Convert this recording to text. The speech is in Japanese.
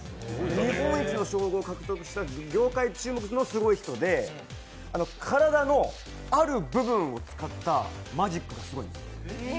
日本一の称号を獲得した業界注目のすごい人で体のある部分を使ったマジックがすごいんです。